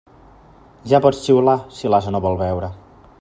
Ja pots xiular, si l'ase no vol beure.